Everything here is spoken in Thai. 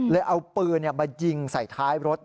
เอาปืนมายิงใส่ท้ายรถ